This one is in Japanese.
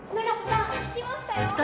永瀬さん聞きましたよ。